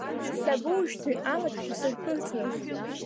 Сабоушьҭуеи, амаҭәақәа сырԥырҵны.